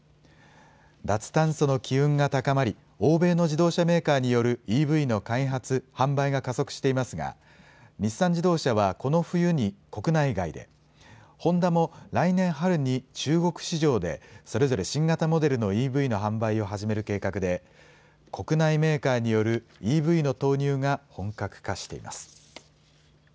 脱炭素の機運が高まり、欧米の自動車メーカーによるＥＶの開発、販売が加速していますが日産自動車はこの冬に国内外で、ホンダも来年春に中国市場でそれぞれ新型モデルのＥＶの販売を始める計画で国内メーカーによるＥＶの投入が本格化しています。